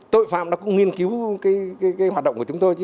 tội phạm cũng nghiên cứu hoạt động của chúng tôi